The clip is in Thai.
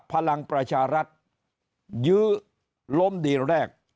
พลังประชารัฐยื้อล้มดีแรก